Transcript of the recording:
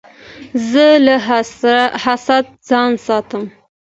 زه له حسده ځان ساتم.